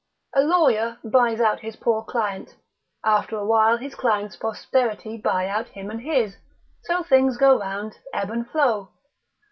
A lawyer buys out his poor client, after a while his client's posterity buy out him and his; so things go round, ebb and flow.